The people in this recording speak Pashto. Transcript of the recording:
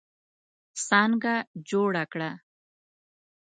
څانګه جوړه کړه.